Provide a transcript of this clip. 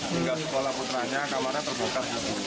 tinggal sekolah putranya kamarnya terbuka